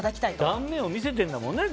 断面を見せているんだもんね